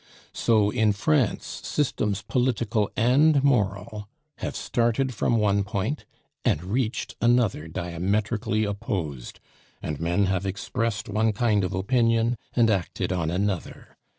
So in France systems political and moral have started from one point and reached another diametrically opposed; and men have expressed one kind of opinion and acted on another.